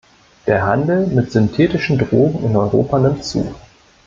Der Handel mit synthetischen Drogen in Europa nimmt zu.